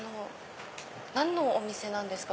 何のお店なんですか？